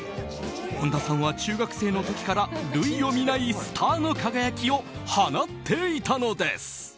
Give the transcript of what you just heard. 本田さんは中学生の時から類を見ないスターの輝きを放っていたのです。